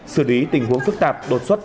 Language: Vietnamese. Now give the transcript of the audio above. xử lý tình huống phức tạp đột xuất